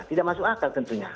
tidak masuk akal tentunya